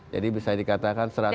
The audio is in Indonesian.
jadi bisa dikatakan seratus ribu